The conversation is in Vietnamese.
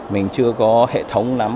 mình chưa có hệ thống lắm